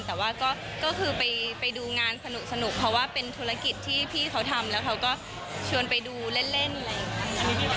แต่ว่าก็คือไปดูงานสนุกเพราะว่าเป็นธุรกิจที่พี่เขาทำแล้วเขาก็ชวนไปดูเล่นอะไรอย่างนี้